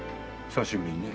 久しぶりにね。